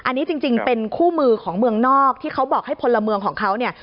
อันนี้จริงเป็นคู่มือของเมืองนอกที่เขาบอกให้พลเมืองของเขาเนี่ย